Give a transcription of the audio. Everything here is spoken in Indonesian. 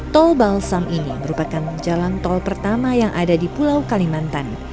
tol balsam ini merupakan jalan tol pertama yang ada di pulau kalimantan